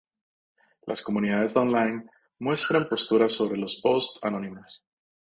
Las comunidades on-line muestran posturas sobre los posts anónimos.